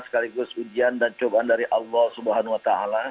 sekaligus ujian dan cobaan dari allah swt